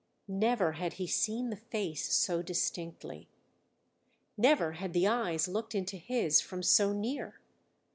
Never had he seen the face so distinctly; never had the eyes looked into his from so near.